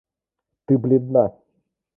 Ты бледна.